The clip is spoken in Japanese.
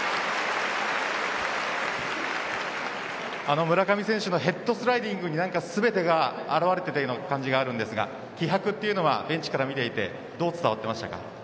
あの村上選手のヘッドスライディングに何か全てが表れていたような感じがあるんですが気迫というのはベンチから見ていてどう伝わっていましたか？